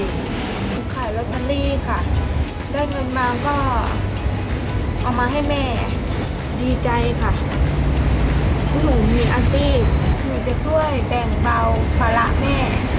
ขายลอตเตอรี่ค่ะได้เงินมาก็เอามาให้แม่ดีใจค่ะที่หนูมีอาชีพหนูจะช่วยแบ่งเบาภาระแม่